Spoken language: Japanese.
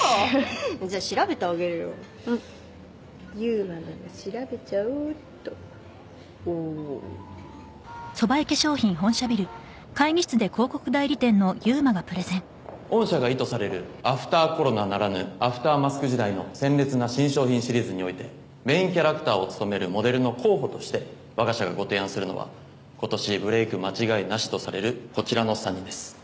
じゃあ調べてあげるようん悠馬のも調べちゃおうっとおおー御社が意図されるアフターコロナならぬアフターマスク時代の鮮烈な新商品シリーズにおいてメインキャラクターを務めるモデルの候補として我が社がご提案するのは今年ブレイク間違いなしとされるこちらの３人です